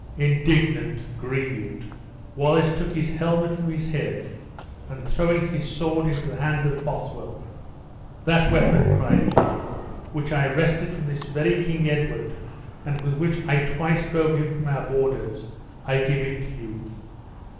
Indignant, grieved, Wallace took his helmet from his head, and throwing his sword into the hand of Bothwell, "That weapon," cried he, "which I wrested from this very King Edward, and with which I twice drove him from our borders, I give it to you.